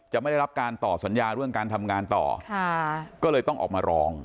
ไม่ได้รับการต่อสัญญาเรื่องการทำงานต่อค่ะก็เลยต้องออกมาร้อง